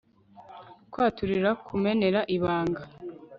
kwaturira kumenera ibanga